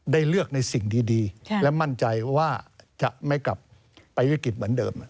ได้เลือกในสิ่งดีและมั่นใจว่าจะไม่กลับไปเวลาเดิม